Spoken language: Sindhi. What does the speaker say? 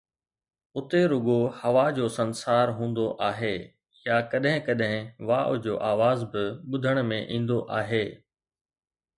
اتي رڳو هوا جو سنسار هوندو آهي يا ڪڏهن ڪڏهن واءُ جو آواز به ٻڌڻ ۾ ايندو آهي